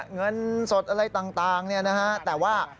เงินสดอะไรต่างแต่ว่า